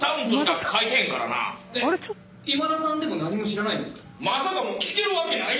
今田さんでも何も知らないんですか？